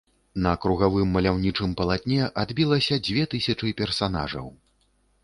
На кругавым маляўнічым палатне адбілася дзве тысячы персанажаў.